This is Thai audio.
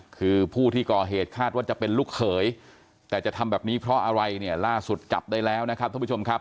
คือผู้ที่ก่อเหตุคาดว่าจะเป็นลูกเขยแต่จะทำแบบนี้เพราะอะไรเนี่ยล่าสุดจับได้แล้วนะครับท่านผู้ชมครับ